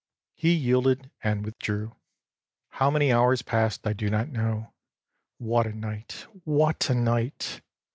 â âHe yielded and withdrew. âHow many hours passed I do not know. What a night! What a night!